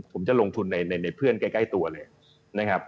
ผมจะลงทุนในเพื่อนใกล้ตัวเลยนะครับ